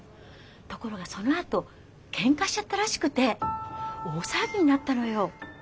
ところがそのあと喧嘩しちゃったらしくて大騒ぎになったのよ。